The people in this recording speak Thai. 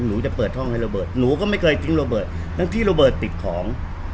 หนูจะเปิดห้องให้ระเบิดหนูก็ไม่เคยทิ้งระเบิดทั้งที่โรเบิร์ตติดของ